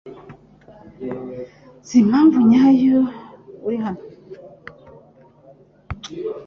Nzi impamvu nyayo uri hano .